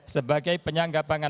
sebagai penyediaan pangan